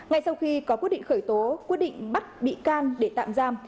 ngay sau khi có quyết định khởi tố quyết định bắt bị can để tạm giam